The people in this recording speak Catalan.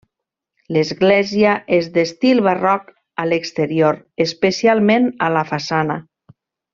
L'església és d'estil barroc a l'exterior, especialment a la façana.